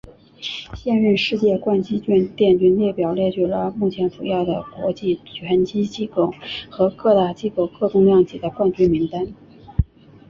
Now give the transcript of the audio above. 现任世界拳击冠军列表列举了目前主要的国际拳击机构和各大机构各重量级的冠军名单。